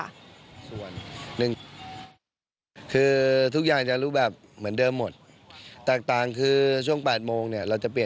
โดยยงยิดประโยชนิตนวตลอดออีก๙๐นาที